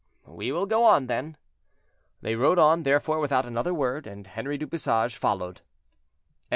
"We will go on then." They rode on, therefore, without another word, and Henri du Bouchage followed.